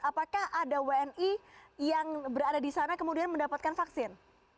apakah ada wni yang berada di sana kemudian mendapatkan vaksin